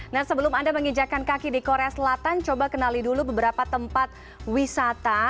nah sebelum anda mengijakan kaki di korea selatan coba kenali dulu beberapa tempat wisata